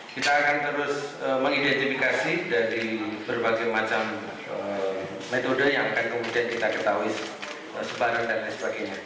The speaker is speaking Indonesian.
kita akan terus mengidentifikasi dari berbagai macam metode yang akan kemudian kita ketahui sebaran dan lain sebagainya